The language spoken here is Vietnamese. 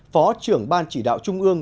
phó trưởng ban chỉ đạo trung ương